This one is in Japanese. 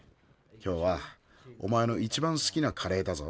今日はお前の一番すきなカレーだぞ。